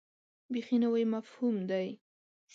بیخي نوی مفهوم دی.